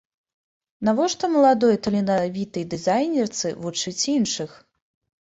Навошта маладой таленавітай дызайнерцы вучыць іншых?